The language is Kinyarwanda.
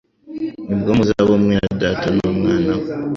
nibwo muzaba umwe na Data n'Umwana we.